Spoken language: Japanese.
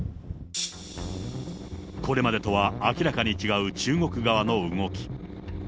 これまでとは明らかに違う中国側の動き。